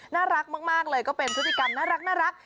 น่ารักมากเลยก็เป็นพฤติกรรมน่ารัก